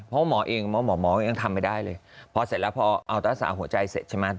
เพราะหมอเองหมอหมอก็ยังทำไม่ได้เลยพอเสร็จแล้วพอเอารักษาหัวใจเสร็จใช่ไหม